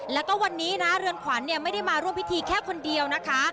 แล้วก็วันนี้นะเรือนขวัญไม่ได้มาร่วมพิธีแค่คนเดียวนะคะ